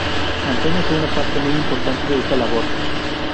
Antonio fue una parte muy importante de esta labor.